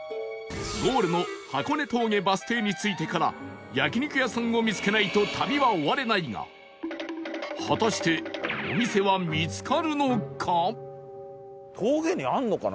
ゴールの箱根峠バス停に着いてから焼肉屋さんを見つけないと旅は終われないが果たしてお店は見つかるのか？